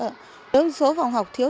đơn số phòng học thiếu sáu phòng học nữa